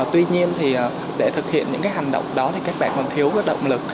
tuy nhiên để thực hiện những hành động đó các bạn còn thiếu động lực